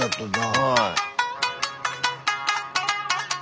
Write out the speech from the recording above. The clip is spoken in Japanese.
はい。